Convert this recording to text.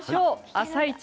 「あさイチ」